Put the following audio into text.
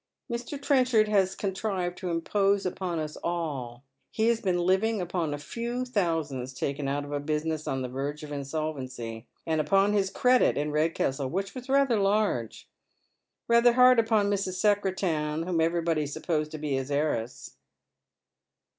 Mr. Trenchard has contrived to impose upon us all. He has been living upon a few thousands taken out of a business on the vfrge of insolvency, and upon his credit in Eedcastle, which was rather large. Eather hard upon Mrs. Secretan, whom everybody supposed to be hig heiress."